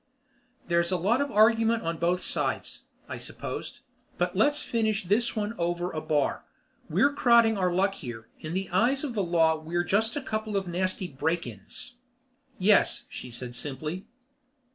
"There's a lot of argument on both sides," I supposed. "But let's finish this one over a bar. We're crowding our luck here. In the eyes of the law we're just a couple of nasty break ins." "Yes," she said simply.